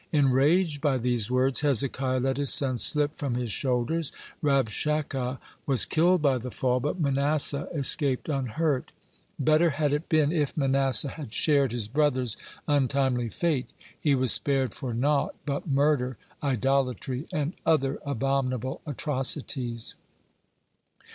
Enraged by these words, Hezekiah let his sons slip from his shoulders. Rabshakeh was killed by the fall, but Manasseh escaped unhurt. (94) Better had it been if Manasseh had shared his brother's untimely fate. He was spared for naught but murder, idolatry, and other abominable atrocities.